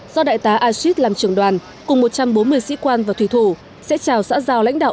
do đại tá ashit làm trưởng đoàn cùng một trăm bốn mươi sĩ quan và thủy thủ sẽ chào xã giao lãnh đạo